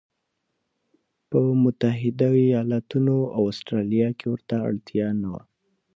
په متحدو ایالتونو او اسټرالیا کې ورته اړتیا نه وه.